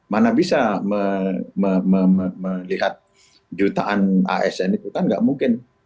mana bisa melihat jutaan ais ini kan enggak mungkin